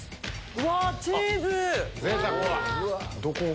うわチーズ！